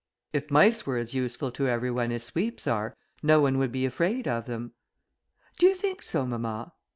If mice were as useful to every one as sweeps are, no one would be afraid of them." "Do you think so, mamma?"